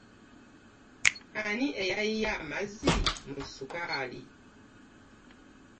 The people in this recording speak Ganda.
Ani eyayiye amazzi mu sukaali?